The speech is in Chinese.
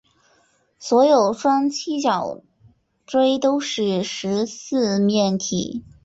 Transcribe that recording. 所有双七角锥都是十四面体。